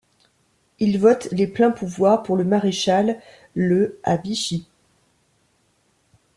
Il vote les pleins-pouvoirs pour le maréchal le à Vichy.